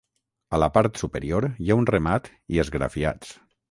A la part superior hi ha un remat i esgrafiats.